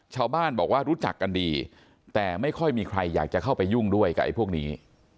ชาวบ้านบอกว่ารู้จักกันดีแต่ไม่ค่อยมีใครอยากจะเข้าไปยุ่งด้วยกับไอ้พวกนี้